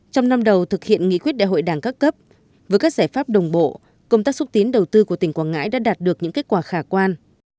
trong năm đầu thực hiện nghị quyết đại hội đảng các cấp với các giải pháp đồng bộ công tác xúc tiến đầu tư của tỉnh quảng ngãi đã đạt được những kết quả khả quan